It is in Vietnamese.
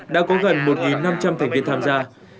đã có gần một năm trăm linh thành viên tham gia